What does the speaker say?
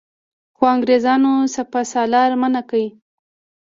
خو انګرېزانو سپه سالار منع کړ.